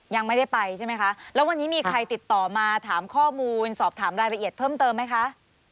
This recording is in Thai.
ยังไม่ได้ไปใช่ไหมคะแล้ววันนี้มีใครติดต่อมาถามข้อมูลสอบถามรายละเอียดเพิ่มเติมไหมคะ